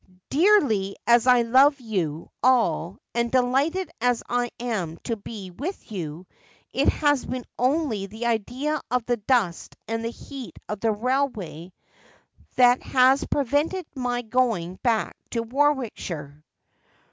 Dearly as I love you all, and delighted as I am to be with you, it has been only the idea of the dust and the heat of the railway that has prevented my going back to Warwickshire.'